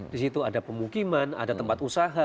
di situ ada pemukiman ada tempat usaha